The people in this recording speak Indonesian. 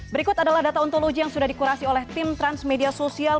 berikut adalah data ontologi yang sudah dikurasi oleh tim transmedia sosial